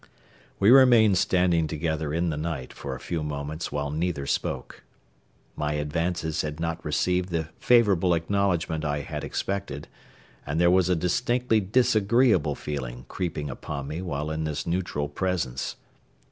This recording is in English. We remained standing together in the night for a few moments while neither spoke. My advances had not received the favorable acknowledgment I had expected, and there was a distinctly disagreeable feeling creeping upon me while in this neutral presence.